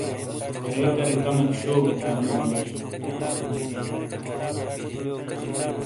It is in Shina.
کرےکرے کمیک شُو گہ تھیونو اواجئی۔